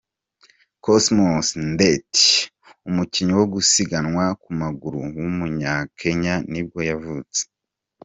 Cosmas Ndeti, umukinnyi wo gusiganwa ku maguru w’umunyakenya nibwo yavutse.